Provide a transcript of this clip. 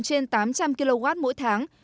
trên tám trăm linh kw mỗi tháng